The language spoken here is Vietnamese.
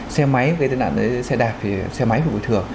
xe máy gây tai nạn đấy xe đạp thì xe máy phải bồi thường